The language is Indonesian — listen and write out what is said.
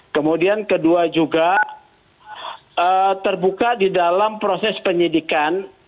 kemudian kedua juga terbuka di dalam proses penyidikan